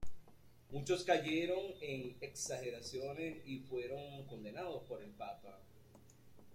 Muchos cayeron en exageraciones y fueron condenados por el Papa.